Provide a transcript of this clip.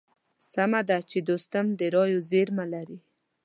سمه ده چې دوستم د رايو زېرمه لري.